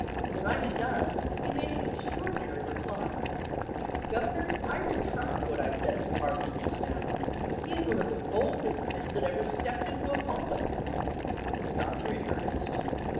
When I had done, he made an extraordinary reply: "Governor, I retract what I said of the parson just now. He is one of the boldest men that ever stepped into a pulpit." Was the doctor in earnest?